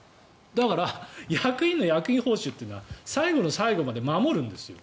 だから役員の役員報酬というのは最後の最後まで守るんですよ。